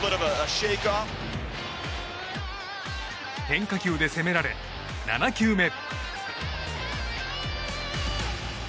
変化球で攻められ、７球目。